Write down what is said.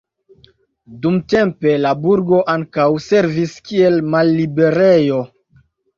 Dumtempe la burgo ankaŭ servis kiel malliberejo.